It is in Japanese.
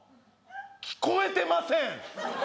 聞こえてません